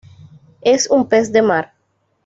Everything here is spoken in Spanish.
Es un pez de mar.